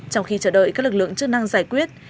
trong khi chờ đợi các lực lượng chức năng giải quyết